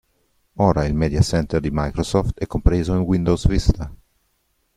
Ora il Media Center di Microsoft è compreso in Windows Vista.